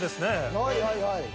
はいはいはい。